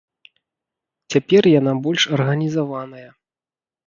Цяпер яна больш арганізаваная.